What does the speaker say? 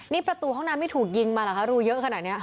นี่ประตูห้องน้ำไม่ถูกยิงมาเหรอคะรูเยอะขนาดนี้